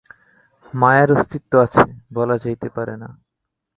মায়ার অস্তিত্ব আছে, বলা যাইতে পারে না।